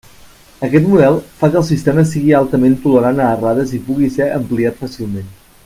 Aquest model fa que el sistema sigui altament tolerant a errades i pugui ser ampliat fàcilment.